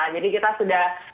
jadi kita sudah